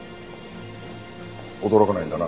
驚かないんだな。